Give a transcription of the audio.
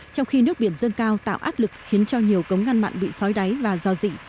trong khi nước biển dâng cao tạo áp lực khiến cho nhiều cống ngăn mặn bị sói đáy và do dị